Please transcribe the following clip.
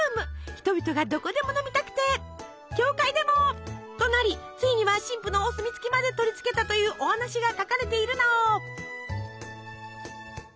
人々がどこでも飲みたくて「教会でも！」となりついには神父のお墨付きまでとりつけたというお話が書かれているの。